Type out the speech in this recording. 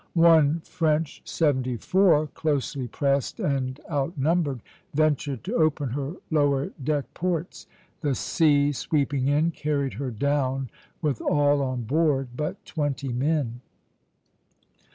One French seventy four, closely pressed and outnumbered, ventured to open her lower deck ports; the sea sweeping in carried her down with all on board but twenty men.